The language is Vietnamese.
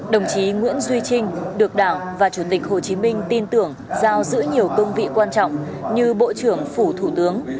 đồng chí nguyễn duy trinh được đảng và chủ tịch hồ chí minh tin tưởng giao giữ nhiều công vị quan trọng như bộ trưởng phủ thủ tướng